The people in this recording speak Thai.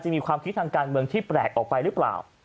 มีความคิดทางการเมืองที่แปลกออกไปหรือเปล่า